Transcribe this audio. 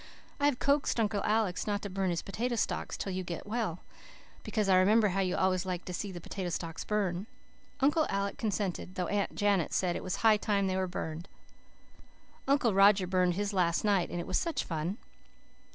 I have coaxed Uncle Alec not to burn his potato stalks till you are well, because I remember how you always liked to see the potato stalks burn. Uncle Alec consented, though Aunt Janet said it was high time they were burned. Uncle Roger burned his last night and it was such fun.